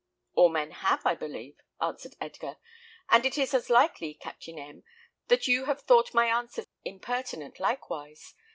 "All men have, I believe," answered Edgar; "and it is as likely, Captain M , that you have thought my answers impertinent likewise.